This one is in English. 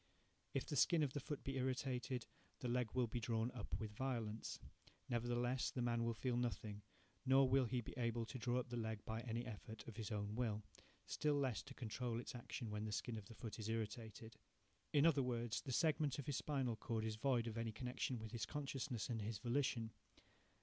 If the skin of the foot be irritated, the leg will be drawn up with violence. Nevertheless, the man will feel nothing, nor will he be able to draw up the leg by any effort of his own will, still less to control its action when the skin of the foot is irritated. In other words, the segment of his spinal cord is void of any connection with his consciousness and his volition.